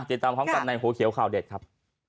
ติดตามพร้อมกันในหัวเขียวข่าวเด็ดครับ